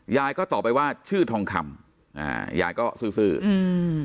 ยายก็ตอบไปว่าชื่อทองคำอ่ายายก็ซื้อซื้ออืม